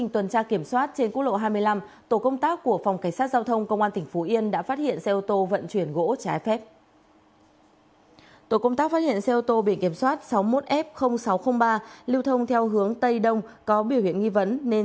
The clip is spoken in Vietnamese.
trong quá trình tuần tra kiểm soát trên quốc lộ hai mươi năm tổ công tác của phòng cảnh sát giao thông công an tp yên đã phát hiện xe ô tô vận chuyển gỗ trái phép